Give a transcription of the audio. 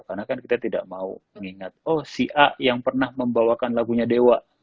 karena kan kita tidak mau mengingat oh si a yang pernah membawakan lagunya dewa